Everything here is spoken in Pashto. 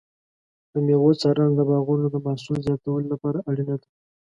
د مېوو څارنه د باغونو د محصول زیاتولو لپاره اړینه ده.